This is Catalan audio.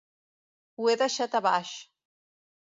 Ho he deixat a baix.